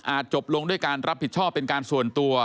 จบลงด้วยการรับผิดชอบเป็นการส่วนตัว